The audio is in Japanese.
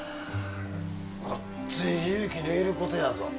ごっつい勇気のいることやぞ。